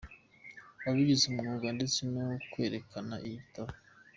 wabigize umwuga ndetse no kwerekana igitabo.